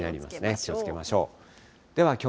気をつけましょう。